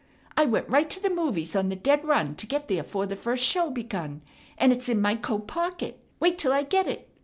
I went right to the movies on the dead run to get there 'fore the first show begun, and it's in my coat pocket. Wait 'till I get it.